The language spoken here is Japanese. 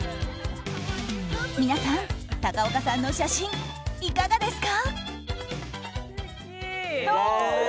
皆さん、高岡さんの写真いかがですか？